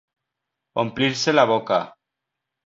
Omplir-se la boca.